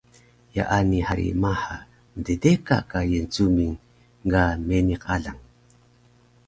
Yaani hari maha mddeka ka Yencuming ga meniq alang